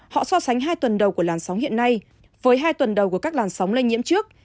họ so sánh hai tuần đầu của làn sóng hiện nay với hai tuần đầu của các làn sóng lây nhiễm trước